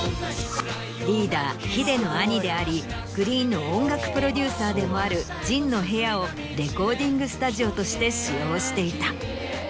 リーダーＨＩＤＥの兄でありＧＲｅｅｅｅＮの音楽プロデューサーでもあるＪＩＮの部屋をレコーディングスタジオとして使用していた。